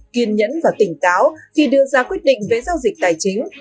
kiên nhẫn và tỉnh táo khi đưa ra quyết định về giao dịch tài chính